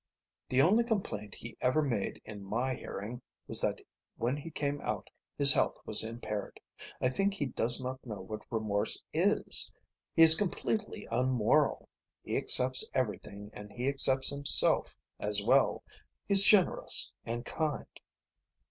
The only complaint he ever made in my hearing was that when he came out his health was impaired. I think he does not know what remorse is. He is completely unmoral. He accepts everything and he accepts himself as well. He's generous and kind."